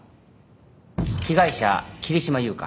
被害者桐島優香。